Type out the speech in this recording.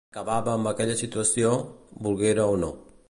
Acabava amb aquella situació, volguera o no.